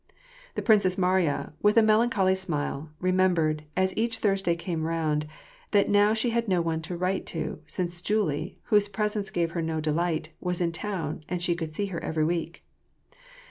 The Princess Mariya, with a melancholy smile, remembered, as each Thursday came round, that now she had no one to write to, since Julie, whose presence gave her no delight, was in town and she could see her every week.